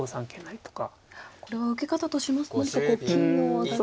これは受け方としますと何かこう金を上がって。